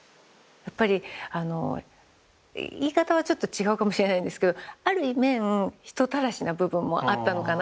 やっぱり言い方はちょっと違うかもしれないんですけどある面人たらしな部分もあったのかな。